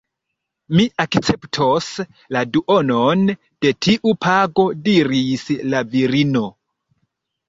Mi akceptos la duonon de tiu pago diris la virino.